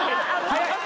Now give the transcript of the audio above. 早い？